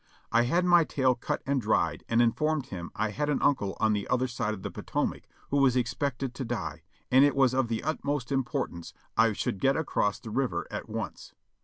I had my tale cut and dried and informed him I had an uncle on the other side of the Potomac who was expected to die, and it was of the utmost importance I should get across the river at once.